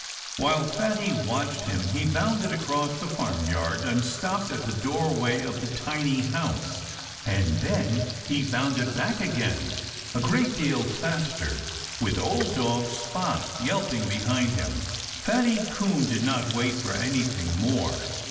While Fatty watched him he bounded across the farmyard and stopped at the doorway of the tiny house. And then he bounded back again, a great deal faster, with old dog Spot yelping behind him. Fatty Coon did not wait for anything more.